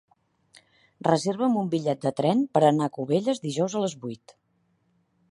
Reserva'm un bitllet de tren per anar a Cubelles dijous a les vuit.